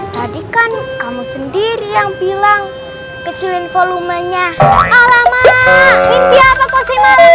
tadi kan kamu sendiri yang bilang kecilin volumenya alamak mimpi apa kau semalam